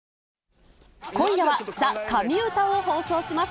今夜は、ＴＨＥ神うたを放送します。